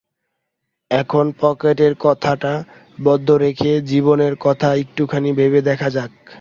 এখন পকেটের কথাটা বন্ধ রেখে জীবনের কথা একটুখানি ভেবে দেখা যাক।